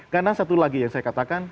karena satu lagi yang saya katakan